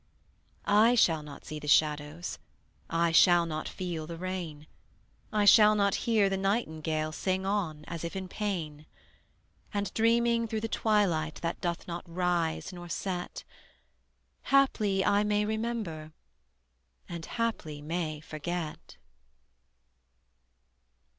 I shall not see the shadows, I shall not feel the rain; I shall not hear the nightingale Sing on, as if in pain: And dreaming through the twilight That doth not rise nor set, Haply I may remember, And haply may forget.